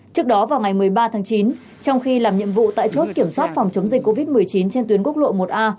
trước đó vào ngày một mươi ba tháng chín trong khi làm nhiệm vụ tại chốt kiểm soát phòng chống dịch covid một mươi chín trên tuyến quốc lộ một a